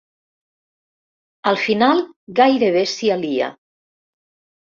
Al final, gairebé s'hi alia.